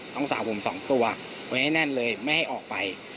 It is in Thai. สาวผมสองตัวไว้ให้แน่นเลยไม่ให้ออกไป